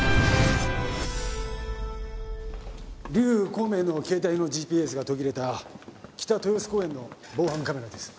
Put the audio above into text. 劉光明の携帯のＧＰＳが途切れた北豊洲公園の防犯カメラです。